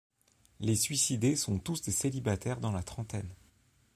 Les suicidés sont tous des célibataires dans la trentaine.